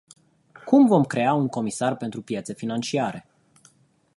Cum vom crea un comisar pentru piețe financiare?